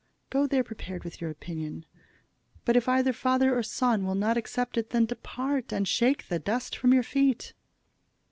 Go there prepared with your opinion. But if either father or son will not accept it, then depart, and shake the dust from your feet."